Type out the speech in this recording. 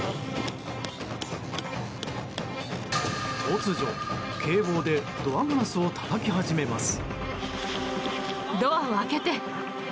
突如、警棒でドアガラスをたたき始めます。